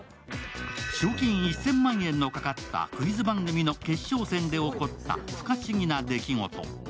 賞金１０００万円のかかったクイズ番組の決勝戦で起こった不可思議な出来事。